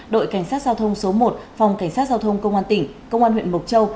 đội cảnh sát giao thông số một phòng cảnh sát giao thông công an tỉnh công an huyện mộc châu